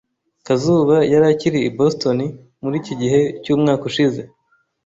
Kazuba yari akiri i Boston muri iki gihe cyumwaka ushize.